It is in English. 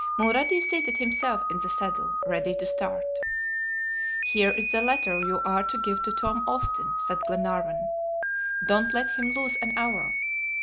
Mulrady seated himself in the saddle ready to start. "Here is the letter you are to give to Tom Austin," said Glenarvan. "Don't let him lose an hour.